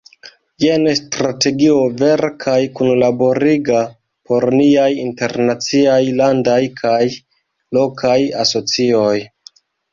Jen strategio, vera kaj kunlaboriga, por niaj internaciaj, landaj kaj lokaj asocioj.